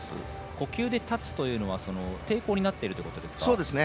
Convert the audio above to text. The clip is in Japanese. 呼吸で立つというのは抵抗になっているということですか。